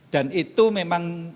dan itu memang